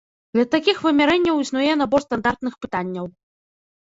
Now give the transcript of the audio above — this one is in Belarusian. Для такіх вымярэнняў існуе набор стандартных пытанняў.